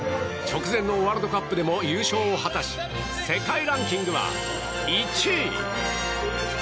直前のワールドカップでも優勝を果たし世界ランキングは１位。